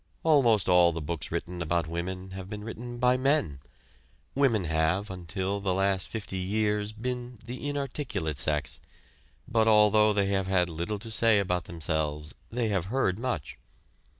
Almost all the books written about women have been written by men. Women have until the last fifty years been the inarticulate sex; but although they have had little to say about themselves they have heard much.